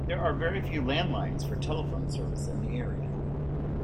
There are a very few landlines for telephone service in the area.